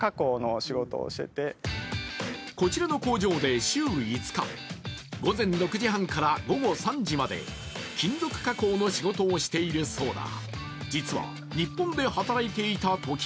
こちらの工場で週５日、午前６時半から午後３時まで金属加工の仕事をしているそうだ。